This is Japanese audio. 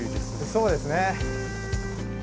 そうですね。